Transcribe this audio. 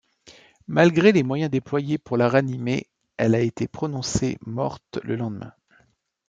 Malgré les moyens déployés pour la ranimer, elle a été prononcée morte le lendemain.